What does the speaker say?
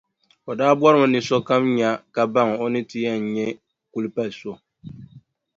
O daa bɔrimi ni sokam nya ka baŋ o ni ti yɛn nyɛ kulipalʼ so.